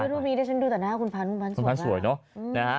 ไม่รู้มีแต่ฉันดูต่อหน้าคุณพันธุ์คุณพันธุ์สวยแล้ว